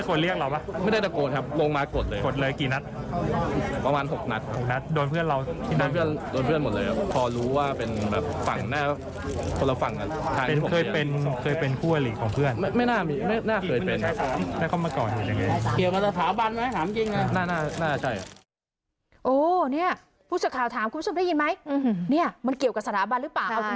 เกี่ยวกับสถานบันหรือเปล่าเอาจริงจริงเอ่อ